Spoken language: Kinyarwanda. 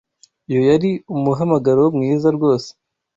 Iyo yari umuhamagaro mwiza rwose.